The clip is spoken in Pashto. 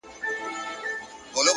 لوړ هدفونه لویې قربانۍ غواړي.